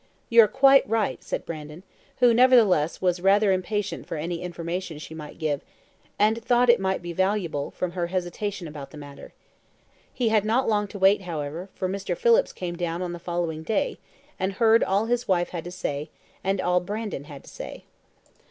"You are quite right," said Brandon, who, nevertheless, was rather impatient for any information she might give, and thought it might be valuable, from her hesitation about the matter. He had not long to wait, however, for Mr. Phillips came down on the following day, and heard all his wife had to say and all Brandon had to say.